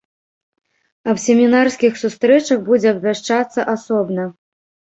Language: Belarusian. Аб семінарскіх сустрэчах будзе абвяшчацца асобна.